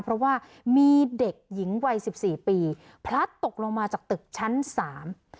เพราะว่ามีเด็กหญิงวัยสิบสี่ปีพลัดตกลงมาจากตึกชั้นสาม